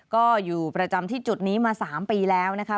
ก็อยู่ประจำที่จุดนี้มา๓ปีแล้วนะคะ